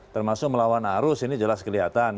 termasuk melawan arus ini jelas kelihatan